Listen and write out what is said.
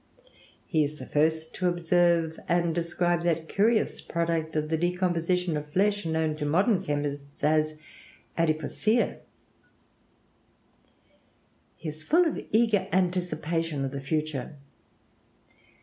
He is the first to observe and describe that curious product of the decomposition of flesh known to modern chemists as adipocere. He is full of eager anticipation of the future.